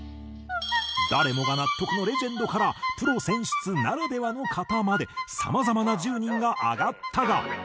誰もが納得のレジェンドからプロ選出ならではの方までさまざまな１０人が挙がったが。